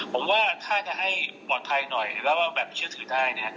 ผมว่าถ้าจะให้ปลอดภัยหน่อยแล้วก็แบบเชื่อถือได้เนี่ย